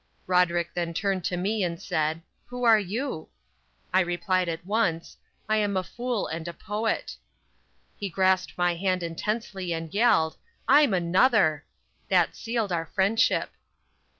Roderick then turned to me and said, "Who are you?" I replied at once, "I am a fool and a poet." He grasped my hand intensely and yelled, "I'm another." That sealed our friendship.